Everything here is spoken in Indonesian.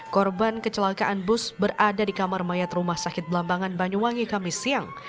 korban kecelakaan bus berada di kamar mayat rumah sakit belambangan banyuwangi kami siang